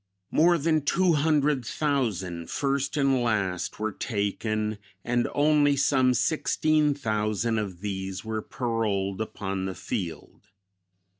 "More than two hundred thousand, first and last, were taken, and only some sixteen thousand of these were paroled upon the field....